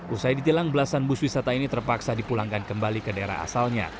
usai ditilang belasan bus wisata ini terpaksa dipulangkan kembali ke daerah asalnya